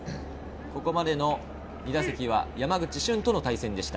ここまでの２打席は山口俊との対戦でした。